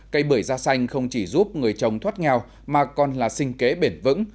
cây bưởi da xanh không chỉ giúp người trồng thoát nghèo mà còn là sinh kế bền vững